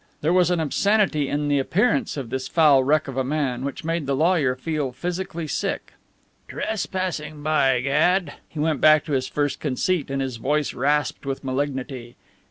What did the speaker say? There was an obscenity in the appearance of this foul wreck of a man which made the lawyer feel physically sick. "Trespassing, by gad!" He went back to his first conceit and his voice rasped with malignity.